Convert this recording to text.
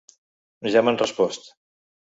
Ja m'han respost!